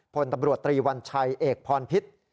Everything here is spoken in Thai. พลตำรวจตรีวัญชัยเอกพรพิษ